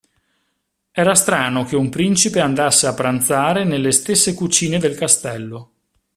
Era strano che un principe andasse a pranzare nelle stesse cucine del castello.